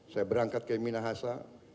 saya berangkat ke minahasa